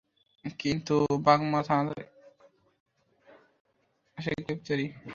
কিন্তু বাগমারা থানা থেকে তাঁর নামে আসা গ্রেপ্তারি পরোয়ানা গায়েব হয়ে যায়।